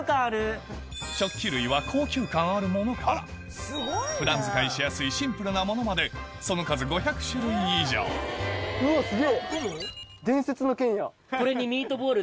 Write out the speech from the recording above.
食器類は高級感あるものから普段使いしやすいシンプルなものまでその数５００種類以上うわっすげぇ伝説の剣や。